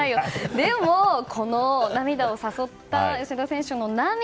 でも、この涙を誘った吉田選手の涙。